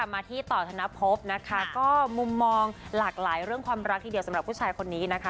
มาที่ต่อธนภพนะคะก็มุมมองหลากหลายเรื่องความรักทีเดียวสำหรับผู้ชายคนนี้นะคะ